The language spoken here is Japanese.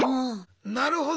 なるほど！